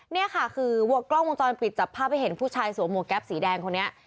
นี่ค่ะคือวงกล้องวงจรปิดจับภาพให้เห็นผู้ชายสวมหวกแก๊ปสีแดงคนนี้